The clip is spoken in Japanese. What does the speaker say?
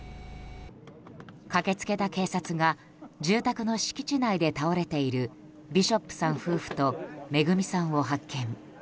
駆けつけた警察が住宅の敷地内に倒れているビショップさん夫婦と恵さんを発見。